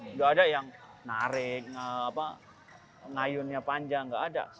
nggak ada yang narik ngayunnya panjang nggak ada